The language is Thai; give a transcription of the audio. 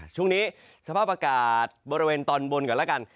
ช่วงนี้สภาพอากาศบริเวณตอนบนก่อนแล้วกัน